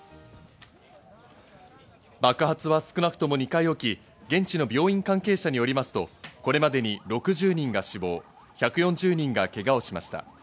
爆発は少なくとも２回起き、現地の病院関係者によりますとこれまでに６０人が死亡、１４０人がけがをしました。